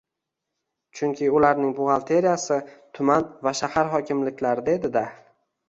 Chunki ularning buxgalteriyasi tuman va shahar hokimliklarida edi-da.